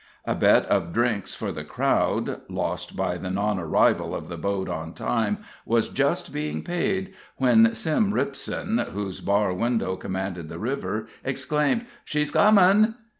A bet of drinks for the crowd, lost by the non arrival of the boat on time, was just being paid, when Sim Ripson, whose bar window commanded the river, exclaimed: "She's comin'!"